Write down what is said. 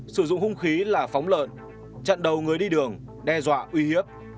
sử dụng hung khí là phóng lợn chặn đầu người đi đường đe dọa uy hiếp